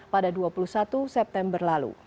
pada dua puluh satu september lalu